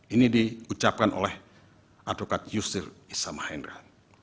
ini diucapkan oleh advokat yusri issam mahendra